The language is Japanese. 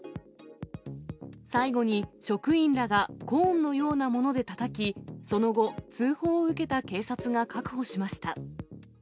最後に、職員らがコーンのようなものでたたき、その後、通報を受けた警察が確保しました。